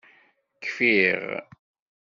Kfiɣ.